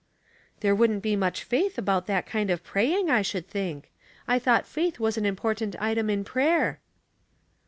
" There wouldn't be much faith about that kind of praying I should think. I thought faith was an important item in prayer?